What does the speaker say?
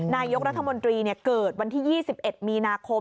นายกรัฐมนตรีเนี่ยเกิดวันที่๒๑มีนาคม๒๔๙๗